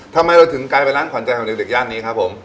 ทำไมเราถึงกลายเป็นร้านขวัญใจของเด็กย่านนี้ครับผม